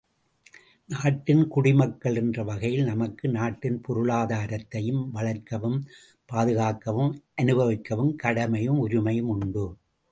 நாட்டின் குடிமக்கள் என்ற வகையில் நமக்கு நாட்டின் பொருளாதாரத்தை வளர்க்கவும் பாதுகாக்கவும் அனுபவிக்கவும் கடமையும் உரிமையும் உண்டு.